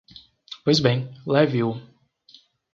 Pois bem, leve-o.